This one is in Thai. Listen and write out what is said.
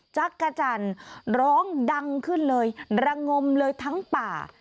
จักรจันทร์ร้องดังขึ้นเลยระงมเลยทั้งป่า